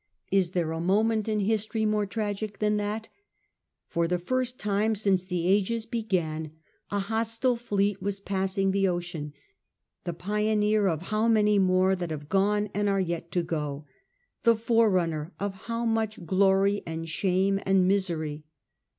Is there a moment in history more tragic than that % For the first time since the ages began, a hostile fleet was passing the ocean — the pioneer of how many more that have gone and are yet to go — the forerunner of how much glory and shame and misery